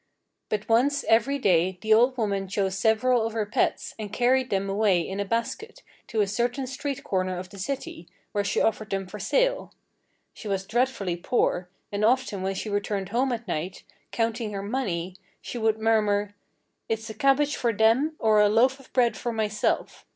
But once every day the old woman chose several of her pets, and carried them away in a basket to a certain street corner of the city where she offered them for sale. She was dreadfully poor, and often when she returned home at night, counting her money, she would murmur: "It's a cabbage for them or a loaf of bread for myself.